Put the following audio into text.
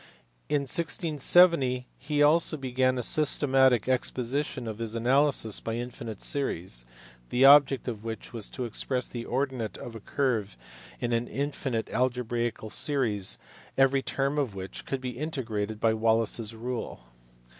In 1670 he also began a systematic exposition of his analysis by infinite series, the object of which was to express the ordinate of a curve in an infinite algebraical series every term of which could be integrated by Wallis s rule (see above, p.